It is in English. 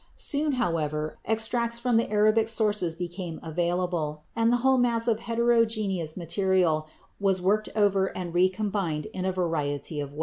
Soon, however, extracts from the Arabic sources became available, and the whole mass of heterogeneous material was worked over and recombined in a variety of ways.